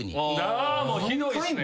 あもうひどいっすね。